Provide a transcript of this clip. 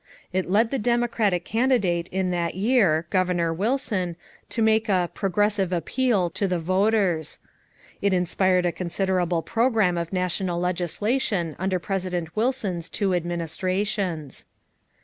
It led the Democratic candidate in that year, Governor Wilson, to make a "progressive appeal" to the voters. It inspired a considerable program of national legislation under President Wilson's two administrations.